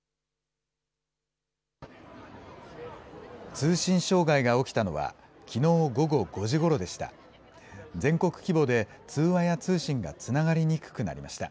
通信障害が起きたのは、きのう午後５時ごろでした。